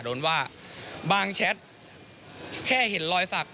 โดนว่าบางแชทแค่เห็นรอยสัก